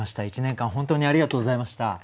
一年間本当にありがとうございました。